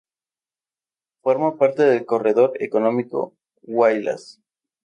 Forma parte del Corredor Económico Huaylas.